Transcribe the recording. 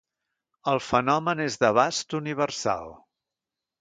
El fenomen és d'abast universal.